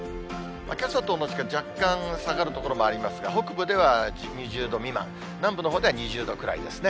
けさと同じか若干下がる所もありますが、北部では２０度未満、南部のほうでは２０度くらいですね。